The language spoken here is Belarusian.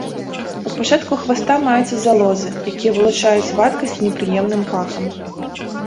У пачатку хваста маюцца залозы, якія вылучаюць вадкасць з непрыемным пахам.